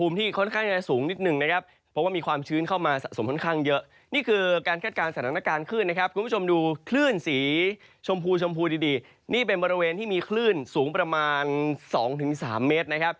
มีอุณหภูมิที่สูงประมาณ๒๓เมตร